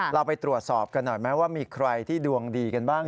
เราไปตรวจสอบกันหน่อยไหมว่ามีใครที่ดวงดีกันบ้าง